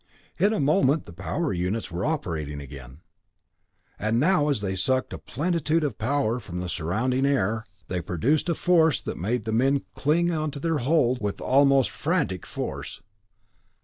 In a moment the power units were again operating, and now as they sucked a plentitude of power from the surrounding air, they produced a force that made the men cling to their holds with almost frantic force.